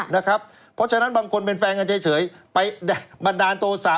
เพราะฉะนั้นบางคนเป็นแฟนกันเฉยไปบันดาลโทษะ